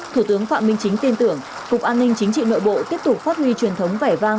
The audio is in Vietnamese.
thủ tướng phạm minh chính tin tưởng cục an ninh chính trị nội bộ tiếp tục phát huy truyền thống vẻ vang